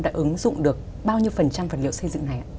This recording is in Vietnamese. đã ứng dụng được bao nhiêu phần trăm vật liệu xây dựng này ạ